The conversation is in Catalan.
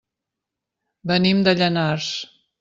Venim de Llanars.